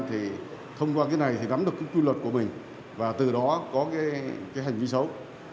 thì thông qua cái này thì đắm được cái quy luật của mình và từ đó có cái hành vi xấu